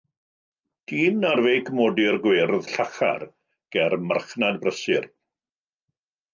Dyn ar feic modur gwyrdd llachar, ger marchnad brysur.